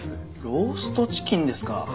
ローストチキンですか。